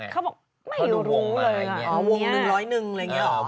เขาต้องดูวงเนี่ย